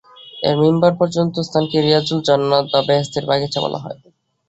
এর মিম্বার পর্যন্ত স্থানকে রিয়াজুল জান্নাত বা বেহেশতের বাগিচা বলা হয়।